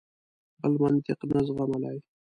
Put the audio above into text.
بل منطق نه زغملای.